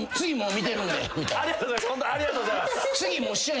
ありがとうございます。